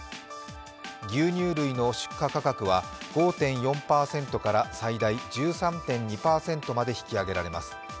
牛乳類の出荷価格は５．４％から最大１３．２％まで引き上げられます。